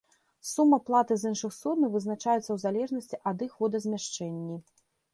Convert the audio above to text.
Сума платы з іншых суднаў вызначаецца ў залежнасці ад іх водазмяшчэнні.